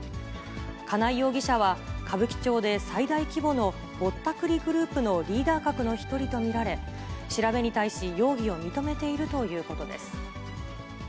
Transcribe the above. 金井容疑者は、歌舞伎町で最大規模のぼったくりグループのリーダー格の１人と見られ、調べに対し、容疑を認めているということです。